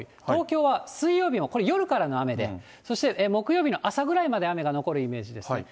東京は、水曜日も、これ、夜からの雨で、そして木曜日の朝ぐらいまで雨が残るイメージです。